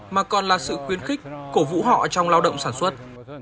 mà còn là sự quyên khích cổ vũ họ trong lao động sản xuất